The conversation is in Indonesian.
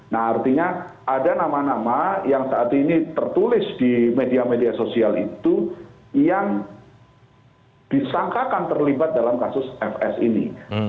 nah artinya ada nama nama yang saat ini tertulis di media media sosial itu yang disangkakan terlibat dalam kasus fs ini